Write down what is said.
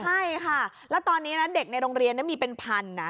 ใช่ค่ะแล้วตอนนี้นะเด็กในโรงเรียนมีเป็นพันนะ